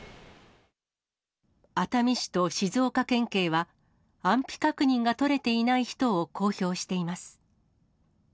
熱海市と静岡県警は、安否確認が取れていない人を公表しています。